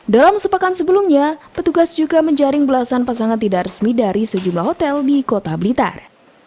dalam sepekan sebelumnya petugas juga menjaring belasan pasangan tidak resmi dari sejumlah hotel di kota blitar